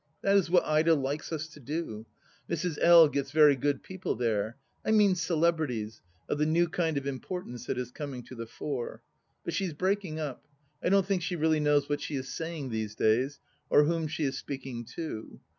That is what Ida likes us to do. Mrs. L. gets very good people there — I mean celebrities, of the new kind of importance that is coming to the fore. But she is breaking up. I don't think she really knows what she is saying these days, or whom she is speaking to.